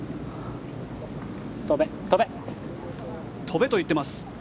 飛べと言ってます。